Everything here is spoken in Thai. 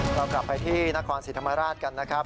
เรากลับไปที่นครศรีธรรมราชกันนะครับ